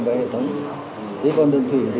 mà phần đối với tàu thuyền